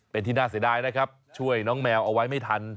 เป็นที่น่าเสียดายนะครับช่วยน้องแมวเอาไว้ไม่ทัน